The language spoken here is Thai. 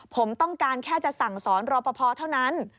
ผมต้องการแค่จะสั่งสอนรอปภเท่านั้น